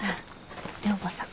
寮母さん。